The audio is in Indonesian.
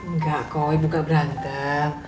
nggak kok ibu gak berantem